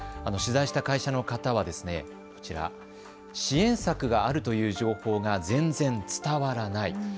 取材した会社の方はこちら、支援策があるという情報が全然伝わらない。